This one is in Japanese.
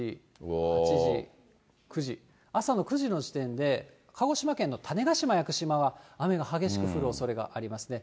朝の９時の時点で、鹿児島県の種子島・屋久島は、雨が激しく降るおそれがありますね。